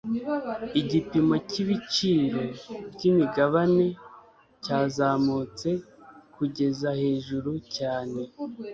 Igipimo cyibiciro byimigabane cyazamutse kugeza hejuru cyane.